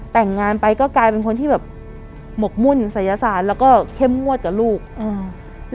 แต่งงานไปก็กลายเป็นคนที่แบบหมกมุ่นศัยศาสตร์แล้วก็เข้มงวดกับลูกอืม